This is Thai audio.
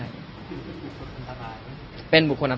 คือเป็นบุคคลอันตราย